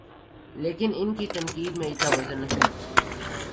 لیکن ان کی تنقید میں اتنا وزن نہیں۔